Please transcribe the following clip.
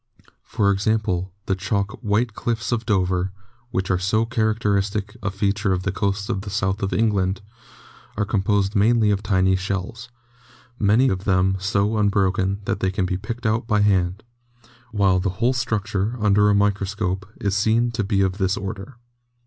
For example, the chalk 'white cliffs of Dover,' which are so character istic a feature of the coast of the South of England, are composed mainly of tiny shells, many of them so unbroken that they can be picked out by hand, while the whole} structure, under a microscope, is seen to be of this order.